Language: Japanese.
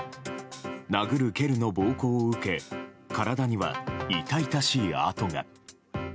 殴る蹴るの暴行を受け体には痛々しい痕が。